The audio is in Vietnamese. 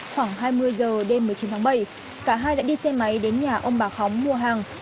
khoảng hai mươi giờ đêm một mươi chín tháng bảy cả hai đã đi xe máy đến nhà ông bà khóng mua hàng